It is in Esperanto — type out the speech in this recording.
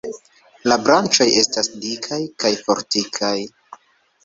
La branĉoj estas dikaj kaj fortikaj.